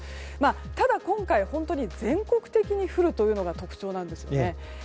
ただ、今回は全国的に降るというのが特徴なんです。